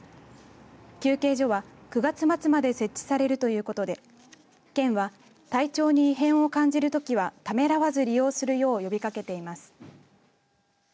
休憩所は９月末まで設置されるということで県は、体調に異変を感じるときはためらわず利用するよう呼びかけています。